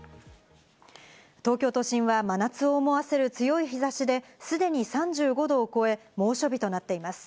東京都心は真夏を思わせる強い日差しですでに３５度を超え、猛暑日となっています。